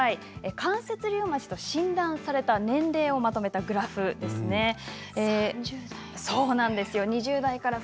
関節リウマチと診断された年齢をまとめたグラフです。